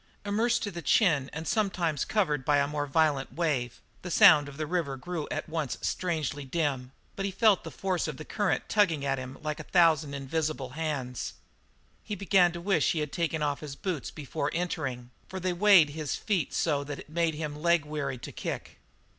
Immersed to the chin, and sometimes covered by a more violent wave, the sound of the river grew at once strangely dim, but he felt the force of the current tugging at him like a thousand invisible hands. He began to wish that he had taken off his boots before entering, for they weighted his feet so that it made him leg weary to kick.